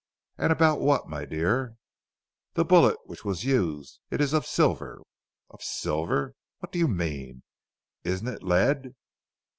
And about what, my dear?" "The bullet which was used. It is of silver." "Of silver? What do you mean? Isn't it lead?"